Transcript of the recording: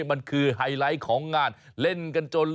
มันคือไฮไลท์ของงานเล่นกันจน